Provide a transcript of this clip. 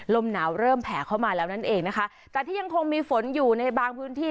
ลมหนาวเริ่มแผ่เข้ามาแล้วนั่นเองนะคะแต่ที่ยังคงมีฝนอยู่ในบางพื้นที่